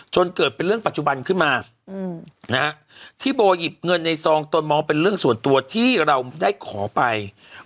เกิดเป็นเรื่องปัจจุบันขึ้นมาที่โบหยิบเงินในซองตนมองเป็นเรื่องส่วนตัวที่เราได้ขอไป